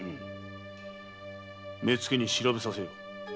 目付に調べさせよ。